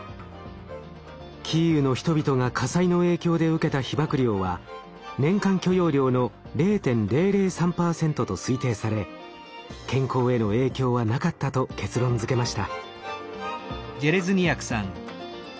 キーウの人々が火災の影響で受けた被ばく量は年間許容量の０．００３％と推定され健康への影響はなかったと結論づけました。